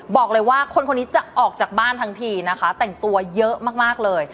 บอกเลยว่าคนคนนี้จะออกจากบ้านทั้งทีนะคะแต่งตัวเยอะมากเลย